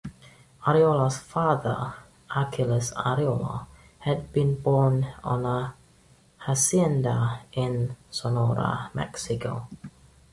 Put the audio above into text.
Arriola's father, Aquiles Arriola, had been born on a hacienda in Sonora, Mexico.